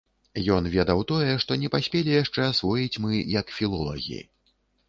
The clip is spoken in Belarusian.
Ён ведаў тое, што не паспелі яшчэ асвоіць мы як філолагі.